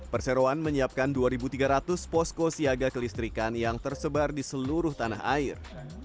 perseroan menyiapkan dua tiga ratus posko siaga kelistrikan yang tersebar di seluruh tanah air